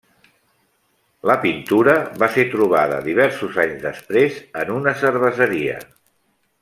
La pintura va ser trobada diversos anys després en una cerveseria.